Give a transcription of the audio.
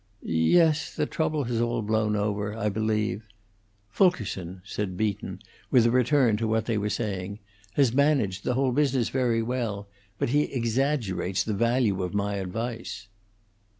"Yes, the trouble has all blown over, I believe. Fulkerson," said Beaton, with a return to what they were saying, "has managed the whole business very well. But he exaggerates the value of my advice."